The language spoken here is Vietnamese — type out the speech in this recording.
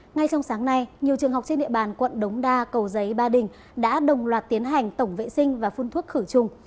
ngay trong sáng nay nhiều trường học trên địa bàn quận đống đa cầu giấy ba đình đã đồng loạt tiến hành tổng vệ sinh và phun thuốc khử trùng